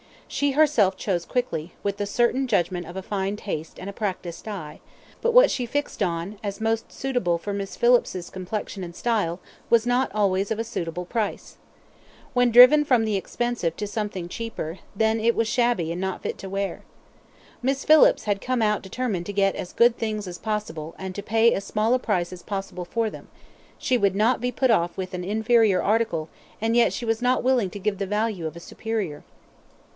She herself chose quickly, with the certain judgment of a fine taste and a practised eye; but what she fixed on as most suitable for Miss Phillips's complexion and style, was not always of a suitable price. When driven from the expensive to something cheaper, then it was shabby and not fit to wear. Miss Phillips had come out determined to get as good things as possible, and to pay as small a price as possible for them; she would not be put off with an inferior article, and yet she was not willing to give the value of a superior.